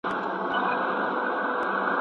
شپونکی چي نه سي ږغولای له شپېلۍ سندري